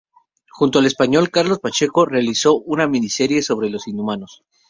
Junto al español Carlos Pacheco, realizó una miniserie sobre los "Inhumanos".